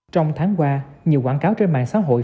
trong tháng qua nhiều quảng cáo trên mạng xã hội